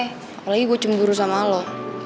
apalagi gue cemburu sama allah